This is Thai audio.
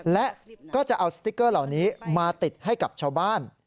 และก็จะเอาสติ๊กเกอร์เหล่านี้มาติดให้กับชาวบ้าน